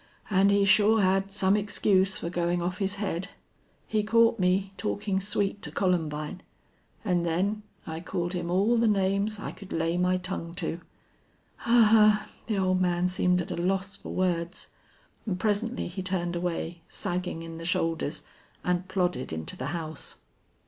"And he sure had some excuse for going off his head. He caught me talking sweet to Columbine ... and then I called him all the names I could lay my tongue to." "Ahuh!" The old man seemed at a loss for words, and presently he turned away, sagging in the shoulders, and plodded into the house.